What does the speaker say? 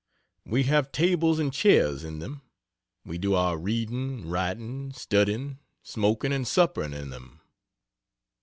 We have tables and chairs in them; we do our reading, writing, studying, smoking and suppering in them.